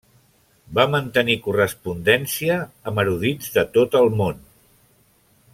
Va mantenir correspondència amb erudits de tot el món.